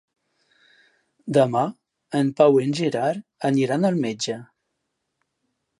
Demà en Pau i en Gerard aniran al metge.